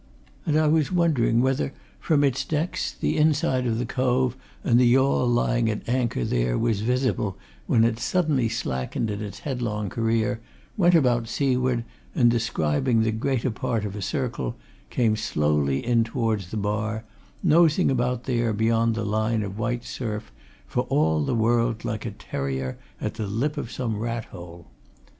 And I was wondering whether from its decks the inside of the cove and the yawl lying at anchor there was visible when it suddenly slackened in its headlong career, went about, seaward, and describing the greater part of a circle, came slowly in towards the bar, nosing about there beyond the line of white surf, for all the world like a terrier at the lip of some rat hole.